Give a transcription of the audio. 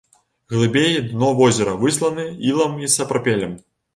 Глыбей дно возера выслана ілам і сапрапелем.